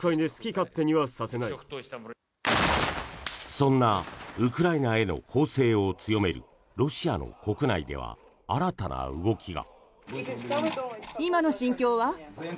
そんなウクライナへの攻勢を強めるロシアの国内では新たな動きが。